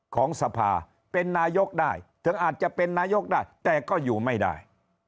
ของสภาเป็นนายกได้ถึงอาจจะเป็นนายกได้แต่ก็อยู่ไม่ได้